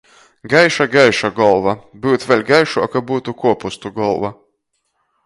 Gaiša, gaiša golva! Byutu vēļ gaišuoka, byutu kuopustu golva!